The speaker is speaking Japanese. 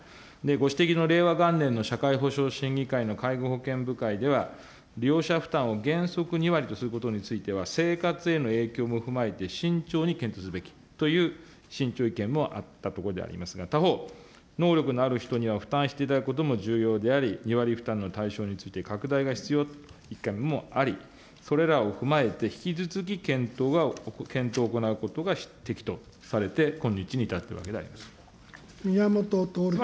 ご指摘の令和元年の社会保障審議会の介護保険部会では、利用者負担を原則２割とすることについては、生活への影響も踏まえて慎重に検討すべきという慎重意見もあったところでございますが、他方、能力のある人には負担していただくことも重要であり、２割負担の対象について拡大が必要と、意見もあり、それらを踏まえて引き続き検討を行うことが適当とされて、宮本徹君。